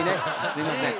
すいません。